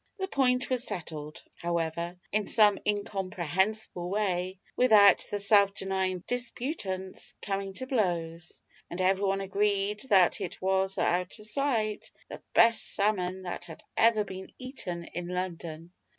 The point was settled, however, in some incomprehensible way, without the self denying disputants coming to blows; and everyone agreed that it was, out of sight, the best salmon that had ever been eaten in London.